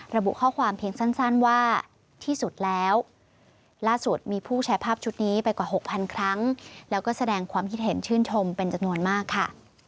ระบุข้อความเพียงสั้นว่าที่สุดแล้วล่าสุดมีผู้แชร์ภาพชุดนี้ไปกว่า๖๐๐๐ครั้งแล้วก็แสดงความคิดเห็นชื่นชมเป็นจำนวนมากค่ะ